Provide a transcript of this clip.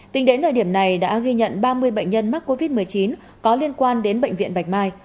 tính đến thời điểm này đã ghi nhận ba mươi bệnh nhân mắc covid một mươi chín có liên quan đến bệnh viện bạch mai